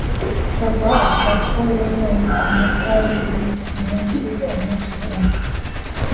Chavas avuga ko yanyoye ku mata y’ibinyenzi umunsi umwe